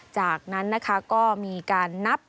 จากนั้นนะคะก็มีการนับ